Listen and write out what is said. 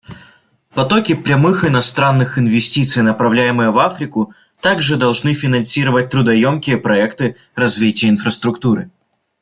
Потоки прямых иностранных инвестиций, направляемые в Африку, также должны финансировать трудоемкие проекты развития инфраструктуры.